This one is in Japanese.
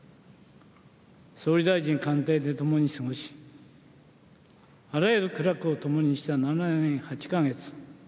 総理大臣官邸でともに過ごしあらゆる苦楽をともにした７年８か月。